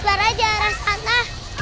kelar aja arah sana